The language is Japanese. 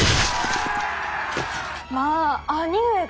まあ兄上が？